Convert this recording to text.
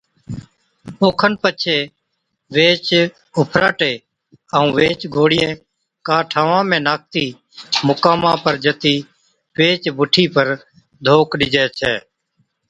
اوکن پچي ويھِچ اُڦراٽي ائُون ويھِچ گوڻِيئَين ڪا ٺاھوان ۾ ناکتِي مقاما پر جتِي ويھِچ بُٺِي پر ڌوڪ ڏِجَي ڇَي